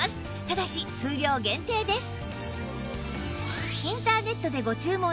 ただし数量限定です